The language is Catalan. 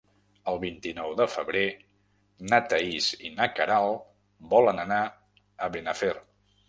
El vint-i-nou de febrer na Thaís i na Queralt volen anar a Benafer.